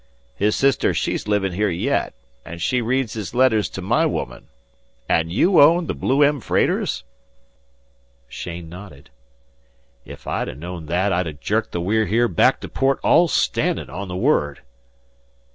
His sister she's livin' here yet, an' she reads his letters to my woman. An' you own the 'Blue M.' freighters?" Cheyne nodded. "If I'd known that I'd ha' jerked the We're Here back to port all standin', on the word."